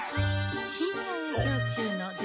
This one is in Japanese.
深夜営業中の銭